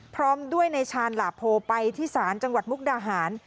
พร้อมด้วยในชาญหลาโพไปที่ศาลจังหวัดมุกดาหาร